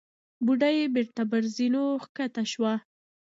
بوډۍ بېرته پر زينو کښته شوه.